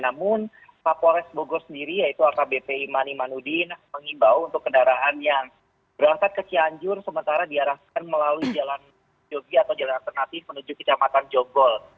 namun pak polres bogor sendiri yaitu arta bpi mani manudin mengimbau untuk kendaraan yang berasal ke cianjur sementara diarahkan melalui jalan jogi atau jalan alternatif menuju ke jogol